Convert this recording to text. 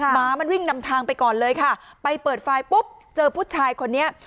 หมามันวิ่งนำทางไปก่อนเลยค่ะไปเปิดไฟล์ปุ๊บเจอผู้ชายคนนี้